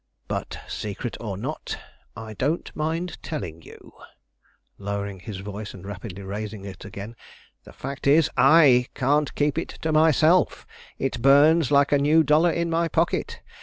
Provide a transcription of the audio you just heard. But, secret or not, I don't mind telling you"; lowering his voice and rapidly raising it again. "The fact is, I can't keep it to myself; it burns like a new dollar in my pocket.